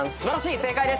正解です。